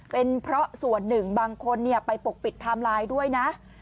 เป็นเพราะส่วนหนึ่งบางคนไปปกปิดไทม์ไลน์ด้วยนะ